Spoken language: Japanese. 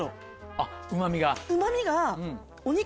あっうま味が。